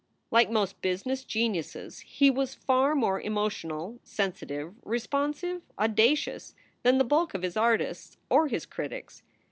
Like most business geniuses, he was far more emotional, sensitive, responsive, audacious, than the bulk of his artists or his critics.